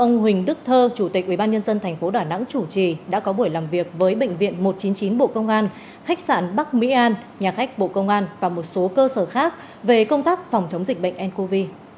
ông huỳnh đức thơ chủ tịch ubnd tp đà nẵng chủ trì đã có buổi làm việc với bệnh viện một trăm chín mươi chín bộ công an khách sạn bắc mỹ an nhà khách bộ công an và một số cơ sở khác về công tác phòng chống dịch bệnh ncov